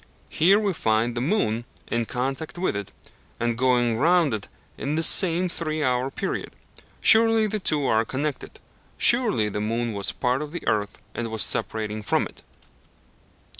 Here we find the moon in contact with it, and going round it in this same three hour period. Surely the two are connected. Surely the moon was a part of the earth, and was separating from it.